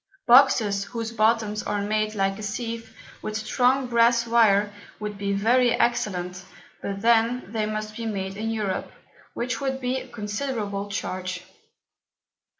Boxes whose Bottoms are made like a Sieve with strong Brass Wire, would be very excellent; but then they must be made in Europe, which would be a considerable Charge.